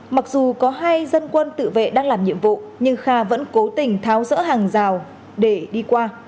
mặc dù có hai dân quân tự vệ đang làm nhiệm vụ nhưng kha vẫn cố tình tháo rỡ hàng rào để đi qua